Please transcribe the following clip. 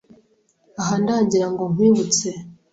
Aha ndagira ngo nkwibutse